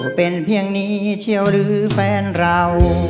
เป็นเพียงนี้เชียวหรือแฟนเรา